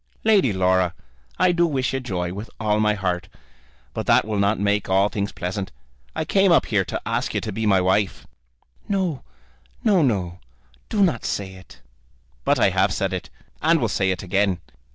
"Lady Laura, I do wish you joy, with all my heart, but that will not make all things pleasant. I came up here to ask you to be my wife." "No; no, no; do not say it." "But I have said it, and will say it again.